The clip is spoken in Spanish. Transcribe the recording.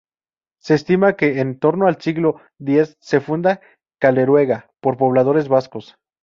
Se estima que en torno al siglo X se funda Caleruega, por pobladores vascos.